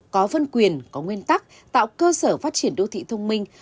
có phân quyền có nguyên tắc tạo cơ sở phát triển đô thị thông minh